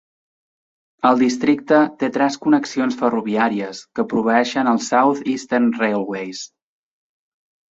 El districte té tres connexions ferroviàries que proveeixen els South Eastern Railways.